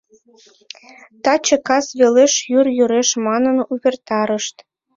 — Таче кас велеш йӱр йӱреш манын увертарышт.